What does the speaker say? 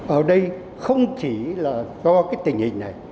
ở đây không chỉ là do cái tình hình này